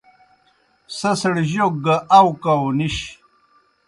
سہ سڑ جوک گہ اؤکؤ نِش۔